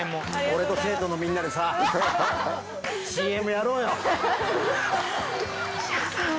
俺と生徒のみんなでさＣＭやろうよ！